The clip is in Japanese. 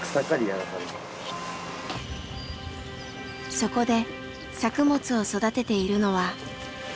そこで作物を育てているのは。